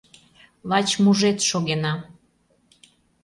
Лач мужед шогена.